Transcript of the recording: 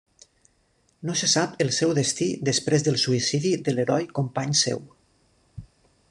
No se sap el seu destí després del suïcidi de l'heroi company seu.